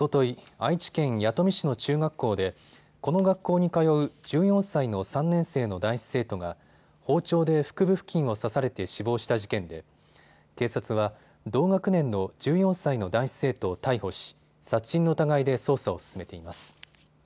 愛知県弥富市の中学校でこの学校に通う１４歳の３年生の男子生徒が包丁で腹部付近を刺されて死亡した事件で警察は同学年の１４歳の男子生徒を逮捕し殺人の疑いで捜査を進めています。